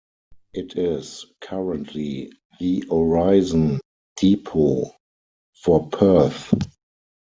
It is currently the Aurizon depot for Perth.